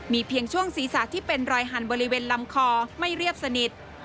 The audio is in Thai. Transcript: เพียงช่วงศีรษะที่เป็นรอยหันบริเวณลำคอไม่เรียบสนิท